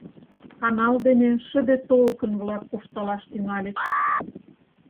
Канал дене шыде толкын-влак куржталаш тӱҥальыч.